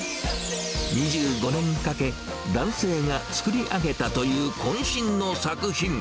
２５年かけ、男性が作り上げたというこん身の作品。